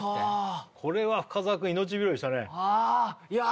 これは深澤くん命拾いしたねあー